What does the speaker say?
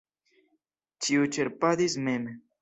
Ĉiu ĉerpadis mem.